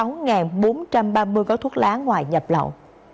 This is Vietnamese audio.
sáu bốn trăm ba mươi gói thuốc lá ngoại nhập lậu